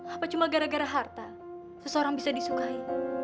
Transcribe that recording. apa cuma gara gara harta seseorang bisa disukai